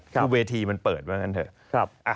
คือเวทีมันเปิดว่างั้นเถอะ